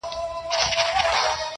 • وطن بېغمه له محتسبه -